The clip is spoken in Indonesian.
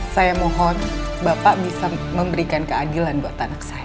saya mohon bapak bisa memberikan keadilan buat anak saya